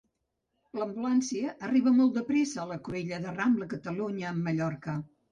L'ambulància arriba molt de pressa a la cruïlla de Rambla Catalunya amb Mallorca.